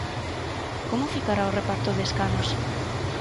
Como ficará o reparto de escanos?